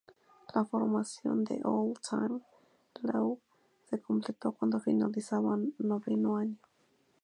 La formación de All Time Low se completó cuando finalizaban noveno año.